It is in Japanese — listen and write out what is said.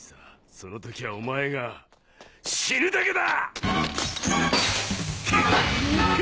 その時はお前が死ぬだけだ！